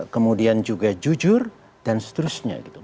kemudian juga jujur dan seterusnya gitu